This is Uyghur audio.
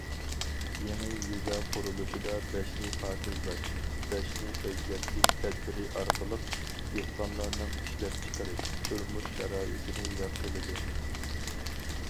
يېڭى يېزا قۇرۇلۇشىدا‹‹ بەشنى پاكىزلاش، بەشنى ئۆزگەرتىش›› تەدبىرى ئارقىلىق دېھقانلارنىڭ ئىشلەپچىقىرىش، تۇرمۇش شارائىتىنى ياخشىلىدى.